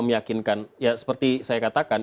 meyakinkan ya seperti saya katakan